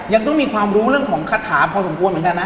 ยังต้องมีความรู้เรื่องของคาถาพอสมควรเหมือนกันนะ